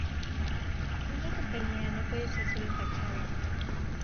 Una compañía no puede ser solo fachada.